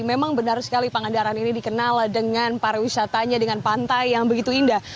memang benar sekali pangandaran ini dikenal dengan pariwisatanya dengan pantai yang begitu indah